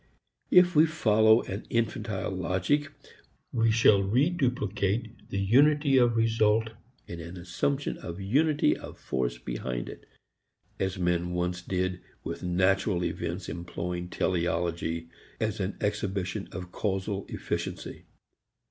If we follow an infantile logic we shall reduplicate the unity of result in an assumption of unity of force behind it as men once did with natural events employing teleology as an exhibition of causal efficiency.